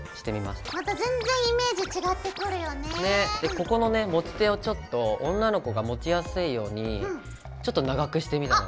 ここのね持ち手をちょっと女の子が持ちやすいようにちょっと長くしてみたの。